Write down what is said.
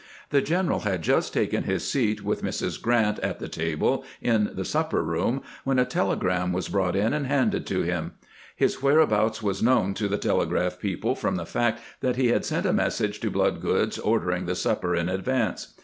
The general had just taken his seat with Mrs. Grant at the table in the supper room when a telegram was brought in and handed to him. His whereabouts was known to the telegraph people from the fact that he had sent a message to Bloodgood's ordering the supper in advance.